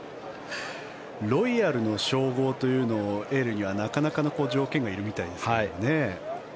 ロイヤルの称号というのを得るにはなかなかの条件がいるみたいですけどね。